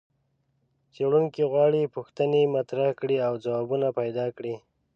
څېړونکي غواړي پوښتنې مطرحې کړي او ځوابونه پیدا کړي.